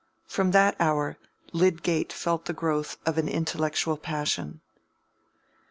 From that hour Lydgate felt the growth of an intellectual passion.